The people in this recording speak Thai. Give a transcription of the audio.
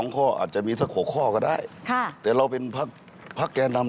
ข้ออาจจะมีสัก๖ข้อก็ได้แต่เราเป็นพักแก่นำ